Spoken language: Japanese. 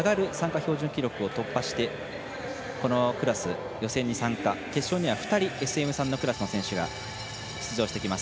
標準記録を突破してこのクラス、予選に参加決勝には２人、ＳＭ３のクラス出場してきます。